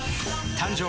誕生！